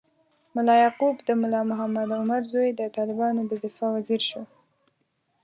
ملا یعقوب، د ملا محمد عمر زوی، د طالبانو د دفاع وزیر شو.